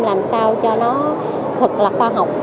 làm sao cho nó thật là khoa học